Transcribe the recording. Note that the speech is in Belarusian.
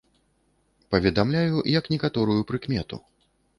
Паведамляю, як некаторую прыкмету.